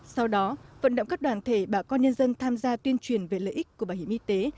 sau đó vận động các đoàn thể bà con nhân dân tham gia tuyên truyền về lợi ích của bảo hiểm y tế